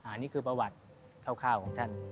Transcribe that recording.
อันนี้คือประวัติคร่าวของท่าน